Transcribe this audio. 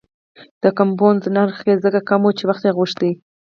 د کمپوز نرخ یې ځکه کم و چې وخت یې غوښته.